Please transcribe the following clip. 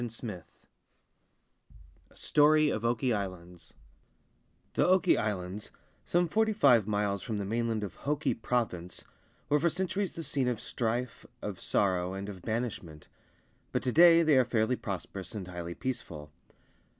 100 XVII A STORY OF OKI ISLANDS THE Oki Islands, some forty five miles from the mainland of Hoki Province, were for centuries the scene of strife, of sorrow, and of banishment ; but to day they are fairly prosperous and highly peaceful.